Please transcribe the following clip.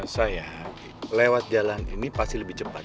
saya lewat jalan ini pasti lebih cepat